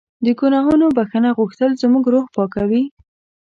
د ګناهونو بښنه غوښتل زموږ روح پاکوي.